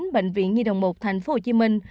bệnh viện nhi đồng một thành phố hồ chí minh